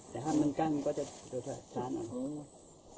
แต่ถ้ามันกั้มก็จะตลาด